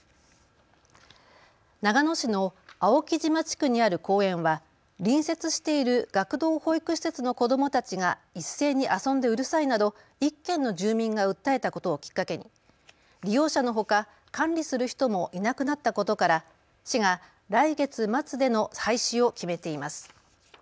長野市の青木島地区にある公園は隣接している学童保育施設の子どもたちが一斉に遊んでうるさいなど１軒の住民が訴えたことをきっかけに利用者のほか、管理する人もいなくなったことから市が来月末での廃止を決めています。